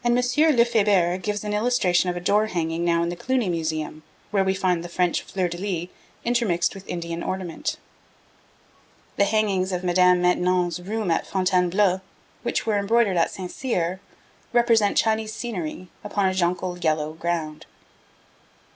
Lefebure gives an illustration of a door hanging now in the Cluny Museum, where we find the French fleurs de lys intermixed with Indian ornament. The hangings of Madame de Maintenon's room at Fontainebleau, which were embroidered at St. Cyr, represent Chinese scenery upon a jonquil yellow ground.